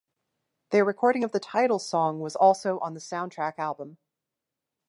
Their recording of the title song was also on the soundtrack album.